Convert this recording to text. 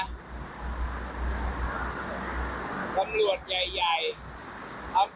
กับคำลวดใหญ่ทำตัวชั่วยิ่งกว่าแบบนี้